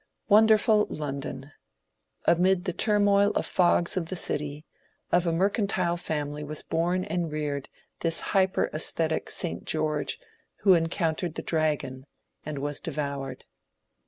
Wonderful London ! Amid the turmoil and fogs of the city, of a mercantile family was bom and reared this hyperadsthetic St. George who encoun tered the Dragon and was devoured.